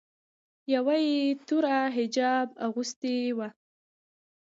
یوه یې تور حجاب اغوستی و.